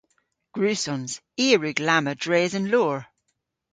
Gwrussons. I a wrug lamma dres an loor.